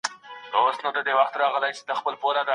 هغه وویل چي ډېر لوړ ږغ پاڼه ړنګه کړه.